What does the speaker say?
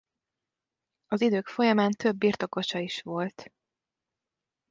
Az idők folyamán több birtokosa is volt.